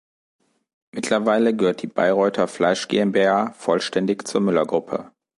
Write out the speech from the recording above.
Mittlerweile gehört die Bayreuther Fleisch GmbH vollständig zur Müller-Gruppe.